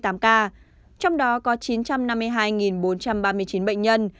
trong đó có chín trăm năm mươi hai bốn trăm ba mươi chín bệnh nhân